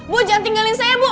bu jangan tinggalin saya bu